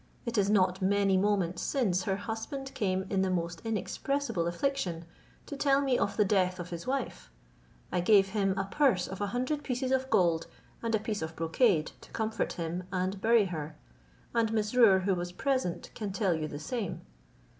It is not many moments since her husband came in the most inexpressible affliction, to tell me of the death of his wife. I gave him a purse of a hundred pieces of gold and a piece of brocade, to comfort him, and bury her; and Mesrour, who was present, can tell you the same."